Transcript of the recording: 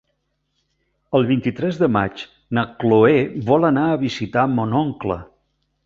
El vint-i-tres de maig na Chloé vol anar a visitar mon oncle.